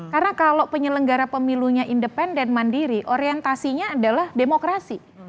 karena kalau penyelenggara pemilunya independen mandiri orientasinya adalah demokrasi